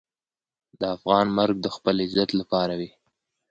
د افغان مرګ د خپل عزت لپاره وي.